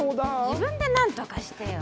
自分で何とかしてよ。